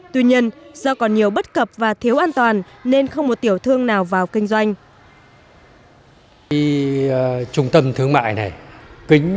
tuy nhiên do còn nhiều bất cập và thiếu an toàn nên không một tiểu thương nào vào kinh doanh